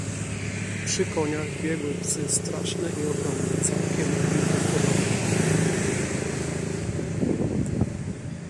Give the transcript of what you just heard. "Przy koniach biegły psy straszne i ogromne, całkiem do wilków podobne."